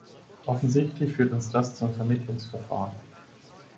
Offensichtlich führt uns das zum Vermittlungsverfahren.